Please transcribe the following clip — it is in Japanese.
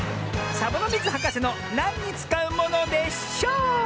サボノミズはかせの「なんにつかうものでショー」！